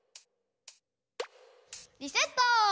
リセット！